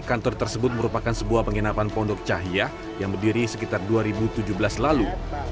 kantor tersebut merupakan sebuah penginapan pondok cahya yang berdiri sekitar dua ribu tujuh belas lalu